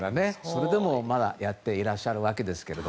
それでもまだやってらっしゃるわけですが。